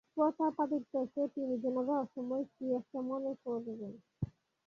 প্রতাপাদিত্যকে তিনি যেন রহস্যময় কি একটা মনে করেন!